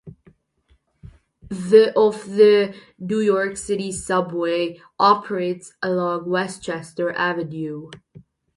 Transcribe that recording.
The of the New York City Subway operate along Westchester Avenue.